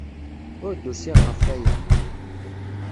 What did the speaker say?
Ur d-usiɣ ɣef waya.